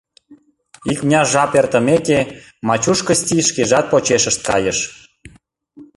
Икмыняр жап эртымеке, Мачуш Кысти шкежат почешышт кайыш.